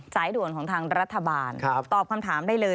สายด่วนของทางรัฐบาลตอบคำถามได้เลย